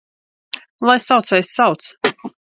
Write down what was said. Lai saucējs sauc!